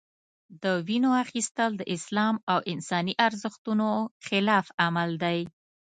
د وینو اخیستل د اسلام او انساني ارزښتونو خلاف عمل دی.